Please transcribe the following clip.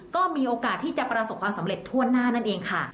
ก็มีโอกาสที่จะประสบความสำเร็จทั่วหน้านั่นเองค่ะ